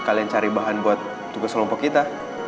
kalian cari bahan buat tugas kelompok kita